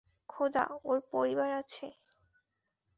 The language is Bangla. খোদা, ওর পরিবার আছে?